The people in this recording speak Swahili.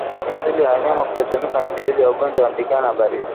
Misuli ya mnyama kutetemeka ni dalili za ugonjwa wa ndigana baridi